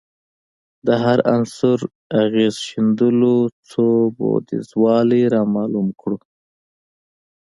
د هر عنصر اغېز ښندلو څو بعدیزوالی رامعلوم کړو